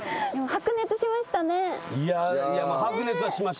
白熱はしましたよ。